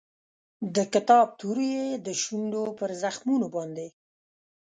د کتاب توري یې د شونډو پر زخمونو باندې